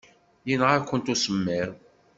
Yenɣa-kent usemmiḍ.